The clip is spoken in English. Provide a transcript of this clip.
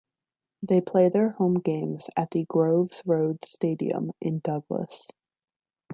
They play their home games at the Groves Road stadium in Douglas.